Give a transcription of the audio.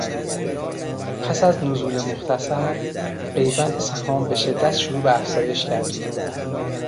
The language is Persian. پس از نزول مختصر قیمت سهام به شدت شروع به افزایش کرد.